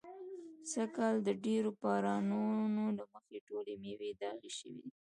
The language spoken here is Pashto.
سږ کال د ډېرو بارانو نو له مخې ټولې مېوې داغي شوي دي.